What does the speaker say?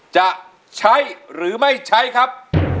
จะใช้หรือไม่ใช้ครับ